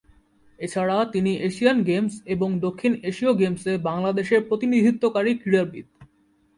এছাড়া তিনি Asian Games এবং দক্ষিণ এশীয় গেমসে বাংলাদেশের প্রতিনিধিত্বকারী ক্রীড়াবিদ।